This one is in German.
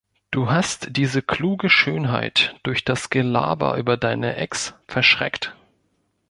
Du hast diese kluge Schönheit, durch das Gelaber über deine Ex, verschreckt.